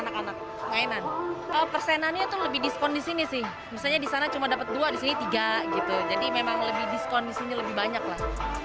jadi memang lebih diskon di sini lebih banyak lah